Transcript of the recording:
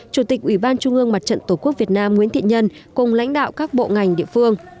chủ tịch ủy ban trung ương mặt trận tổ quốc việt nam nguyễn thị nhân cùng lãnh đạo các bộ ngành địa phương